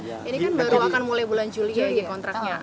ini kan baru akan mulai bulan juli ya kontraknya